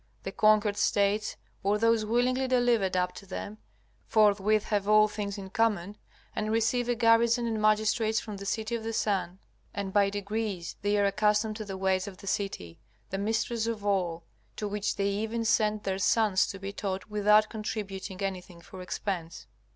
The conquered States or those willingly delivered up to them, forthwith have all things in common, and receive a garrison and magistrates from the City of the Sun, and by degrees they are accustomed to the ways of the city, the mistress of all, to which they even send their sons to be taught without contributing anything for expense.